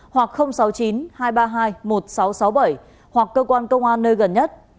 hoặc sáu mươi chín hai trăm ba mươi hai một nghìn sáu trăm sáu mươi bảy hoặc cơ quan công an nơi gần nhất